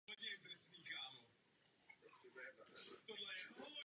Řada předních evropských atletů se rozhodla z různých důvodů halovou sezónu vynechat.